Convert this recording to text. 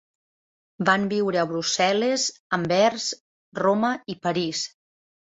Van viure a Brussel·les, Anvers, Roma i París.